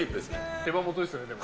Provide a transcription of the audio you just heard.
手羽元ですよね、でも。